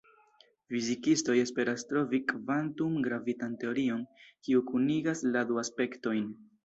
Fizikistoj esperas trovi kvantum-gravitan teorion, kiu kunigas la du aspektojn.